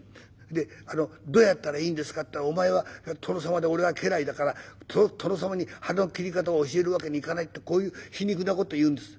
でどうやったらいいんですかって言ったらお前は殿様で俺は家来だから殿様に腹の切り方を教える訳にいかないってこういう皮肉な事言うんです。